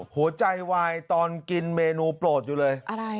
หัวใจวายตอนกินเมนูโปรดอยู่เลย